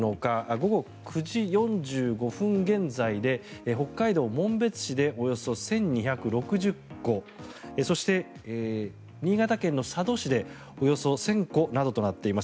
午後９時４５分現在で北海道紋別市でおよそ１２６０戸そして、新潟県の佐渡市でおよそ１０００戸などとなっています。